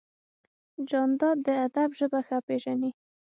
جانداد د ادب ژبه ښه پېژني.